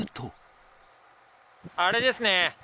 あれですね。